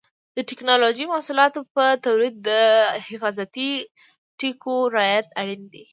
د ټېکنالوجۍ محصولاتو په تولید کې د حفاظتي ټکو رعایت اړین دی.